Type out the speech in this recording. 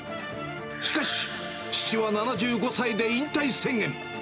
しかし、父は７５歳で引退宣言。